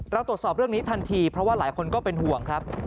ตรวจสอบเรื่องนี้ทันทีเพราะว่าหลายคนก็เป็นห่วงครับ